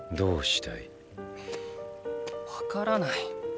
分からない！